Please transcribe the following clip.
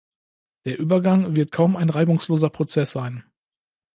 Der Übergang wird kaum ein reibungsloser Prozess sein.